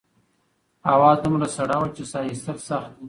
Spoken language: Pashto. هوا دومره سړه وه چې سا ایستل سخت وو.